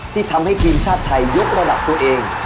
ที่ทำให้ทีมชาติไทยยกระดับตัวเอง